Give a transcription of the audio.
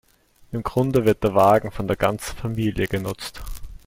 Im Grunde wird der Wagen von der ganzen Familie genutzt.